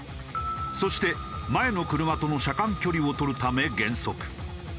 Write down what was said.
そして前の車との車間距離を取るため減速。